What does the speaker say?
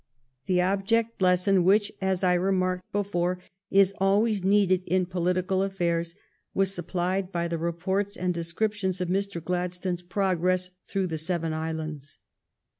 The object lesson which, as I remarked before, is always needed in political affairs was supplied by the reports and descriptions of Mr. Gladstone's progress through the seven islands.